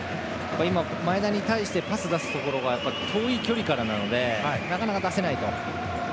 今は前田に対してパス出すところが遠いのでなかなか出せないと。